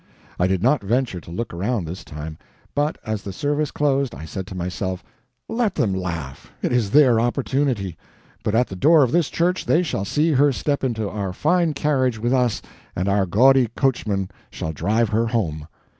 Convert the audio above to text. I did not venture to look around this time; but as the service closed, I said to myself, "Let them laugh, it is their opportunity; but at the door of this church they shall see her step into our fine carriage with us, and our gaudy coachman shall drive her home."